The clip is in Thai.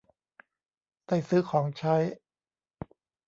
ได้ซื้อของใช้